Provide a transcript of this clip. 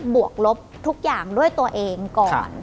วกลบทุกอย่างด้วยตัวเองก่อน